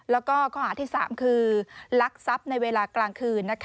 แล้วก็ข้อหาที่๓คือลักทรัพย์ในเวลากลางคืน